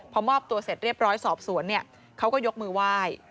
พอมอบตัวเสร็จเรียบร้อยสอบสวนเขาก็ยกมือไหว้